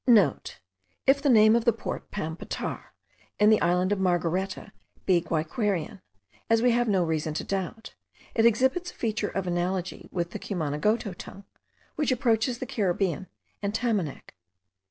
*(* If the name of the port Pam patar, in the island of Margareta, be Guaiquerean, as we have no reason to doubt, it exhibits a feature of analogy with the Cumanagoto tongue, which approaches the Caribbean and Tamanac.